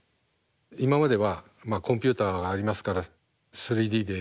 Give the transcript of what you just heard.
今まではコンピューターがありますから３Ｄでやれますけれども今。